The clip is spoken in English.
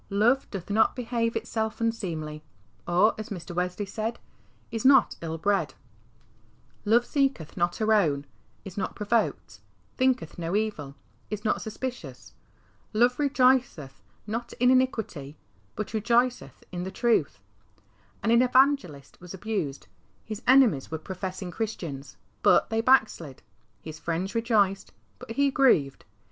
" Love doth not behave itself unseemly," or, as Mr. Wesley said, " is not ill bred." 30 HEART TALKS ON HOLINESS. Love " seeketh not her own, is not provoked, thinketh no evil," is not suspicious. Love rejoiceth not in iniquity, but '' rejoiceth in the truth." An evangelist was abused : his enemies were professing Christians, but they backslid. His friends rejoiced, but he grieved.